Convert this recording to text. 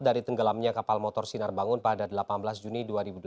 dari tenggelamnya kapal motor sinar bangun pada delapan belas juni dua ribu dua puluh